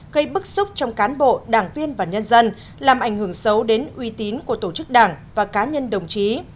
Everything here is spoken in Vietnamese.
gây bức xúc trong cán bộ đảng viên và nhân dân làm ảnh hưởng xấu đến uy tín của tổ chức đảng và cá nhân đồng chí